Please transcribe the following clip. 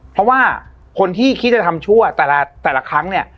เพราะว่าคนที่คิดจะทำชั่วแต่ละครั้งเนี่ย